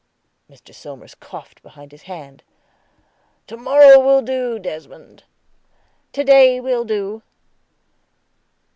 Mr. Somers coughed behind his hand. "To morrow will do, Desmond." "To day will do."